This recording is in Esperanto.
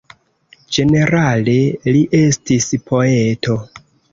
Ĝenerale li estis poeto.